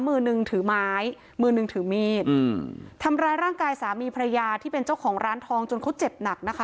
มือหนึ่งถือไม้มือหนึ่งถือมีดอืมทำร้ายร่างกายสามีภรรยาที่เป็นเจ้าของร้านทองจนเขาเจ็บหนักนะคะ